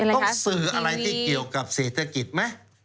ต้องสื่ออะไรที่เกี่ยวกับเศรษฐกิจไหม